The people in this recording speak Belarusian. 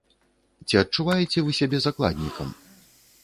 Ці адчуваеце вы сябе закладнікам?